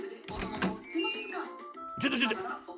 ちょっとちょっと。